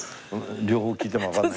両方聞いてもわからない。